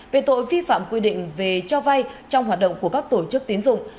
về tội vi phạm quy định về cho vay trong hoạt động của các tổ chức tiến dụng